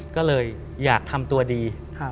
ก็เลยอยากทำตัวดี